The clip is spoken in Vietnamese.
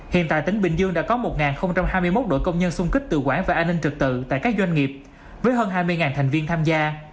hiện tại tỉnh bình dương đã có một hai mươi một đội công nhân xung kích tự quản và an ninh trực tự tại các doanh nghiệp với hơn hai mươi thành viên tham gia